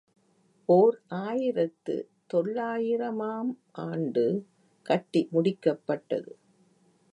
ஓர் ஆயிரத்து தொள்ளாயிரம் ஆம் ஆண்டு கட்டி முடிக்கப்பட்டது.